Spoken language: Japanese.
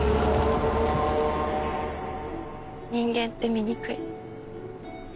人間って醜い。